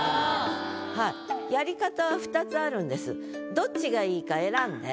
どっちがいいか選んで。